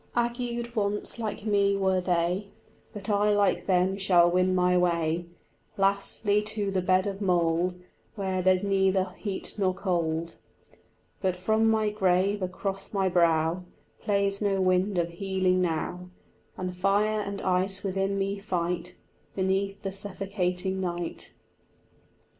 Agued once like me were they, But I like them shall win my way Lastly to the bed of mould Where there's neither heat nor cold. But from my grave across my brow Plays no wind of healing now, And fire and ice within me fight Beneath the suffocating night.